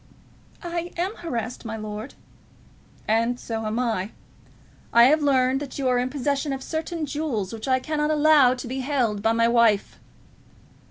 "I am harassed, my lord." "And so am I. I have learned that you are in possession of certain jewels which I cannot allow to be held by my wife."